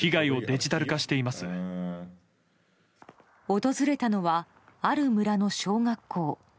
訪れたのは、ある村の小学校。